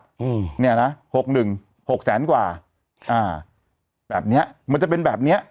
อืมเนี้ยนะหกหนึ่งหกแสนกว่าอ่าแบบเนี้ยมันจะเป็นแบบเนี้ย